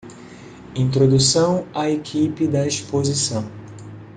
Introdução à equipe da exposição